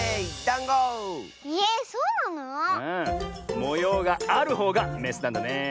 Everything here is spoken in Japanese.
もようがあるほうがメスなんだねえ。